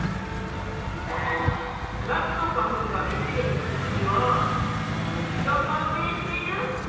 ナスの花粉がめしべにつくには虫が関係している？